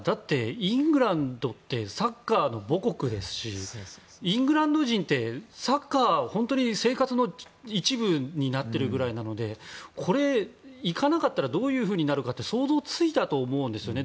イングランドってサッカーの母国ですしイングランド人ってサッカーが本当に生活の一部になっているぐらいなので行かなかったらどういうふうになるかって想像ついたと思うんですよね。